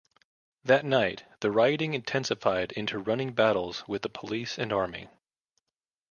That night, the rioting intensified into running battles with the police and army.